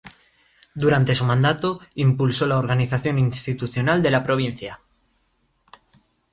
Durante su mandato impulsó la organización institucional de la provincia.